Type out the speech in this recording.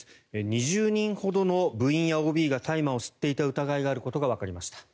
２０人ほどの部員やＯＢが大麻を吸っていた疑いがあることがわかりました。